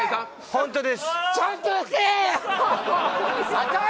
ホントです・酒井！